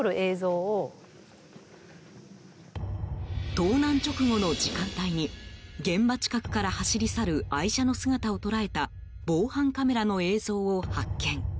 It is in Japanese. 盗難直後の時間帯に現場近くから走り去る愛車の姿を捉えた防犯カメラの映像を発見。